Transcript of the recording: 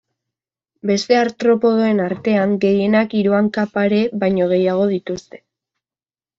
Beste artropodoen artean gehienek hiru hanka pare baino gehiago dituzte.